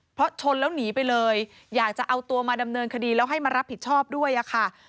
เพราะชนแล้วหนีไปเลยอยากจะเอาตัวมาดำเนินคดีแล้วให้มารับผิดชอบด้วยอะค่ะ